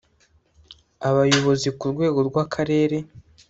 Abayobozi ku rwego rw’Akarere